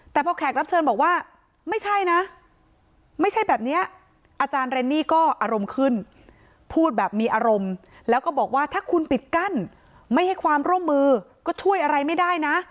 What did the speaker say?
แต่พอแขกรับเชิญบอกว่าไม่ใช่นะไม่ใช่แบบนี้อาจารย์เรนนี่ก็อารมณ์ขึ้นพูดแบบมีอารมณ์แล้วก็บอกว่าถ้าคุณปิดกั้นไม่ให้ความร่วมมือก็ช่วยอะไรไม่ได้นะ